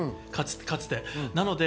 かつて。